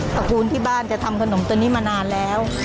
ระคูณที่บ้านจะทำขนมตัวนี้มานานแล้ว